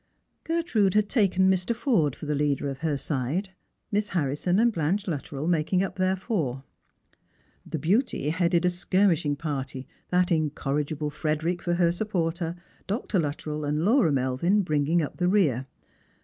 Gertrude had taken Mr. Forde for the leader of her side, Miss Harrison and Blanche Luttrell making up their four. The Beauty headed a skirmish ing party, that incorrigible Frederick for her supporter, Df Xiuttrell and Laura Melviu bringing up the rear.